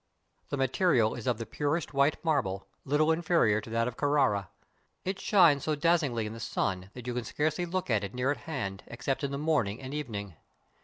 The material is of the purest white marble, little inferior to that of Carrara. It shines so dazzingly in the sun, that you can scarcely look at it near at hand, except in the morning and evening.